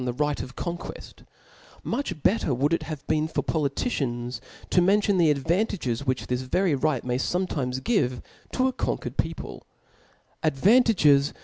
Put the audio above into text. he li^c of ccmqiiieft, mucH better would it have been^^for politicians' to miin^ tion the advantages Which this ydrjr right may iboietittes give to a coiiq^ered peopk ; advantajgeji .